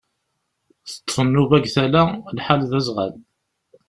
Teṭṭef nnuba deg tala, lḥal d azɣal.